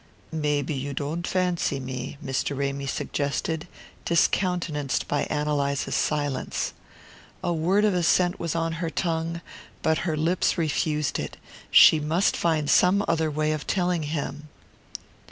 "Maybe you don't fancy me?" Mr. Ramy suggested, discountenanced by Ann Eliza's silence. A word of assent was on her tongue, but her lips refused it. She must find some other way of telling him.